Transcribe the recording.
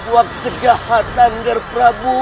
waktu jahatan nger prabu